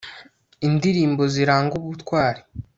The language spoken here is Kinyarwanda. indirimbo ziranga ubutwari